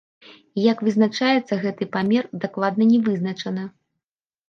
І як вызначаецца гэты памер, дакладна не вызначана.